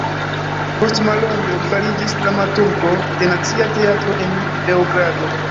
Post mallonge li fariĝis dramaturgo de Nacia Teatro en Beogrado.